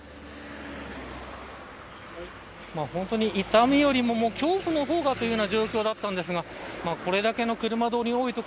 痛みよりも恐怖の方がという状況だったんですがこれだけの車通りが多い所。